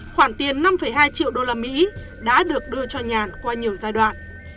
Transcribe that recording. khoản tiền năm hai triệu usd đã được đưa cho nhàn qua nhiều giai đoạn